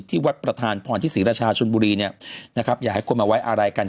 ที่วัดประธานพรทธิสิรชาชุนบุรีอย่าให้ควบเอาไว้อะไรกัน